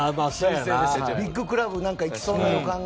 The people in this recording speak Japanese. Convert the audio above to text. ビッグクラブに行きそうな予感が。